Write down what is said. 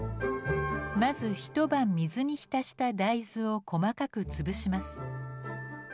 まず一晩水に浸した大豆を細かく潰します。